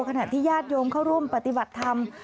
ขณะที่ญาติโยมเข้าร่วมปฏิบัติธรรม